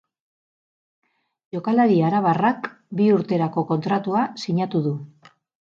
Jokalari arabarrak bi urterako kontratua sinatu du.